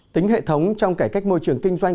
tính hệ thống trong cải cách môi trường kinh doanh